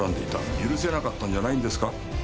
許せなかったんじゃないですか。